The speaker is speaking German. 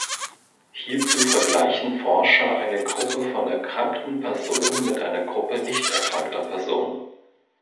Hierzu vergleichen Forscher eine Gruppe von erkrankten Personen mit einer Gruppe nicht erkrankter Personen.